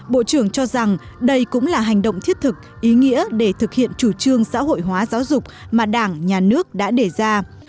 bộ trưởng cho rằng đây cũng là hành động thiết thực ý nghĩa để thực hiện chủ trương xã hội hóa giáo dục mà đảng nhà nước đã đề ra